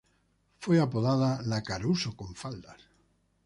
Fue apodada la "Caruso con faldas".